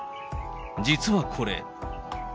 実はこれ。